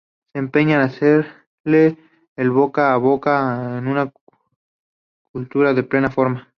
se empeña en hacerle el boca a boca a una cultura en plena forma